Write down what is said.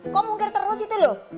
kok mungkir terus itu loh